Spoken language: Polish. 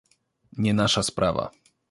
"Nie nasza sprawa."